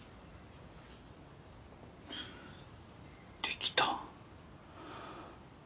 できた。